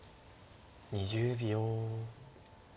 ２０秒。